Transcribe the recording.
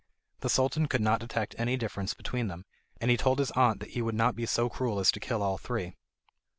The Sultan could not detect any difference between them, and he told his aunt that he would not be so cruel as to kill all three.